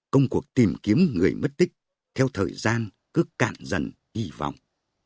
công cuộc tìm kiếm người mất tích theo thời gian cứ cạn dần hy vọng